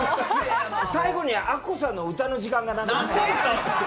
最後にアッコさんの歌の時間が長いから。